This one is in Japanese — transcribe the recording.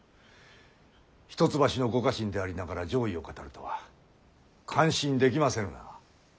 一橋のご家臣でありながら攘夷を語るとは感心できませぬな。